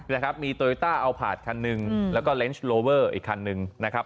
นะครับมีเอาผาดคันหนึ่งแล้วก็อีกคันหนึ่งนะครับ